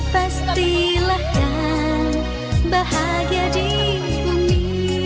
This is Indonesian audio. pastilah kan bahagia di bumi